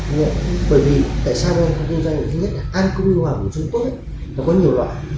bởi vì tại sao bên anh không tiêu danh thứ nhất là ăn cung nghiêu hoàng của trung quốc có nhiều loại